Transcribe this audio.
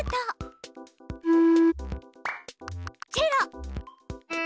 うん。